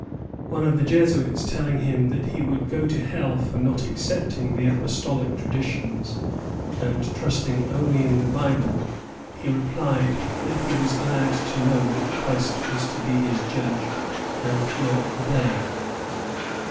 One of the Jesuits telling him that he would go to hell for not accepting the apostolic traditions, and trusting only in the Bible, he replied that he was glad to know that Christ was to be his judge, and not they.